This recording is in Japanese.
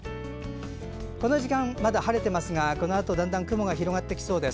この時間まだ晴れていますがこのあと雲が広がってきそうです。